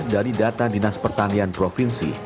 dari data dinas pertanian provinsi